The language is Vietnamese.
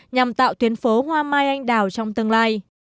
nhằm tạo tuyến phố hoa mai anh đào trong tương lai